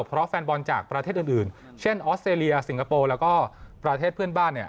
เพราะแฟนบอลจากประเทศอื่นเช่นออสเตรเลียสิงคโปร์แล้วก็ประเทศเพื่อนบ้านเนี่ย